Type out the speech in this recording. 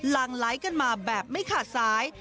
หลังไลค์กันมาแบบไม่ขาดสาย